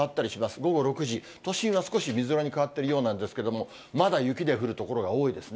午後６時、都心は少しみぞれに変わっているようなんですけれども、まだ雪で降る所が多いですね。